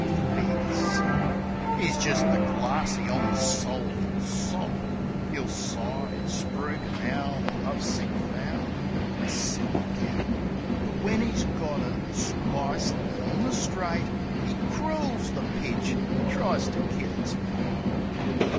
A fair gazob I 'E's jist the glarsey on the soulful sob, 'E'll sigh and spruik, an' 'owl a love sick vow — (The silly cow!) But when 'e's got 'er, spliced an' on the straight, 'E crools the pitch, an' tries to kid it's Fate.